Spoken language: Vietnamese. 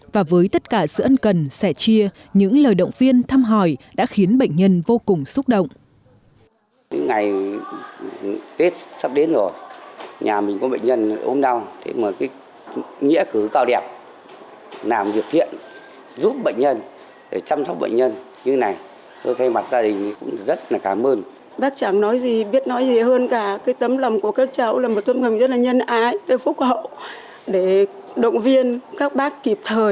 và với tất cả sự ân cần sẻ chia những lời động viên thăm hỏi đã khiến bệnh nhân vô cùng súc vọng